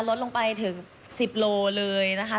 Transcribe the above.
ลดลงไปถึง๑๐โลเลยนะคะ